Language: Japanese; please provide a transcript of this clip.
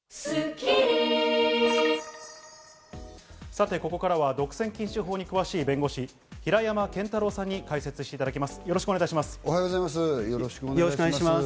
さて、ここからは独占禁止法に詳しい弁護士・平山賢太郎さんに解説していただきます、よろしくお願いいたします。